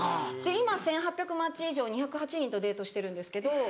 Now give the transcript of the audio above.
今１８００マッチ以上２０８人とデートしてるんですけど。